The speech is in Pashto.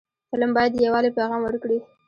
فلم باید د یووالي پیغام ورکړي